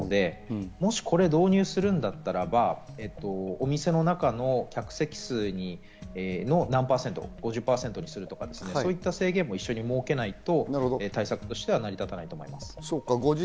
もしこれを導入するならば、お店の中の客席数の何％、４０％にするとか、そういう制限を一緒に設けないと、対策としては成り立たないと思います。